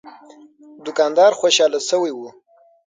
دوکاندار خوشاله شوی و.